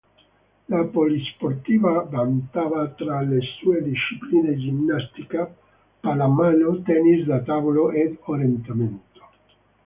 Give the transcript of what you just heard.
La polisportiva vantava tra le sue discipline ginnastica, pallamano, tennis da tavolo ed orientamento.